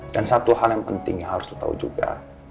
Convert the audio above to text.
dan satu hal yang penting yang harus lo tahu juga